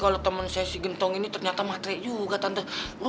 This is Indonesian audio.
kalau teman saya si gentong ini ternyata materai juga tante